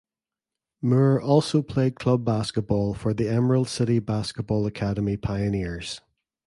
Moore also played club basketball for the Emerald City Basketball Academy Pioneers.